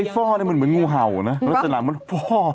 ไอ้ฟ่อมันเหมือนงูเห่านะรัศนามันฟ่อ